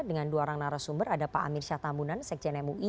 dengan dua orang narasumber ada pak amir syah tambunan sekjen mui